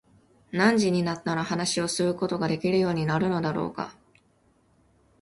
何時になったら話すことができるようになるのだろうか。